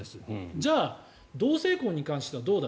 じゃあ同性婚に関してはどうか。